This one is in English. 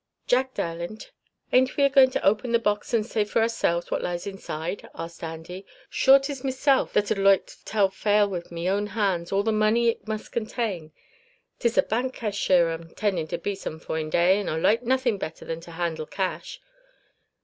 "Jack, darlint, ain't we a goin' to open the box, and say for oursilves what lies inside?" asked Andy. "Sure, 'tis mesilf that'd loike tell fale with me own hands all the money it must contain. 'Tis a bank cashier I'm intindin' to be some foine day, and I loike nothin' better than to handle cash."